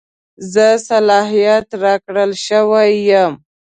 زه صلاحیت راکړه شوی یم.